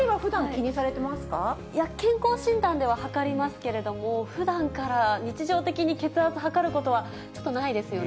健康診断では測りますけれども、ふだんから日常的に血圧測ることはちょっとないですよね。